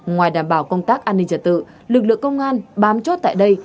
ngoài đảm bảo công tác an ninh trật tự lực lượng công an bám chốt tại đây